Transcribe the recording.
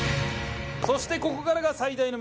そしてここからが最大の見せ場。